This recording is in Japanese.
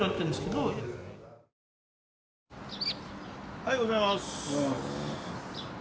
おはようございます。